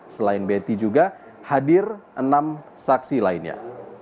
selain betty juga hadir enam saksi lainnya